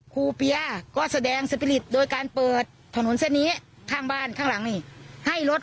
เปียก็แสดงสปีริตโดยการเปิดถนนเส้นนี้ข้างบ้านข้างหลังนี่ให้รถ